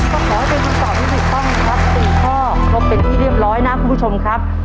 ก็ขอให้เป็นคำตอบที่ถูกต้องนะครับ๔ข้อครบเป็นที่เรียบร้อยนะคุณผู้ชมครับ